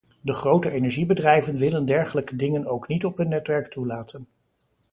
De grote energiebedrijven willen dergelijke dingen ook niet op hun netwerk toelaten.